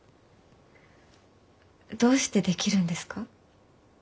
どうしてできるんですか？